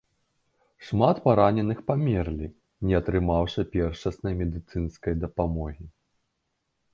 Шмат параненых памерлі, не атрымаўшы першаснай медыцынскай дапамогі.